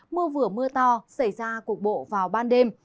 mưa vừa mưa to xảy ra cục bộ vào ban đêm